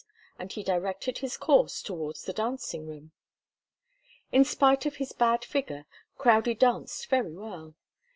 And he directed his course towards the dancing room. In spite of his bad figure, Crowdie danced very well.